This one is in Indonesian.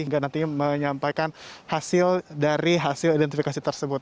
hingga nantinya menyampaikan hasil dari hasil identifikasi tersebut